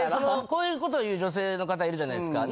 こういうことを言う女性の方いるじゃないですか。